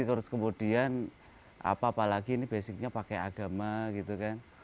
terus kemudian apa apalagi ini basicnya pakai agama gitu kan